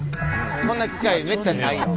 こんな機会めったにないよ。